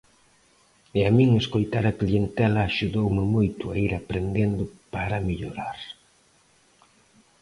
E a min escoitar a clientela axudoume moito a ir aprendendo para mellorar.